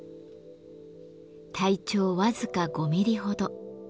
体長僅か５ミリほど。